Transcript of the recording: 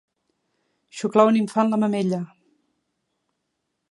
Xuclar un infant la mamella.